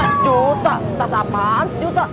sejuta tas apaan sejuta